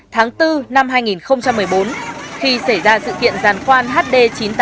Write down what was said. tháng bốn năm hai nghìn một mươi bốn khi xảy ra sự kiện giàn khoan hd chín trăm tám mươi tám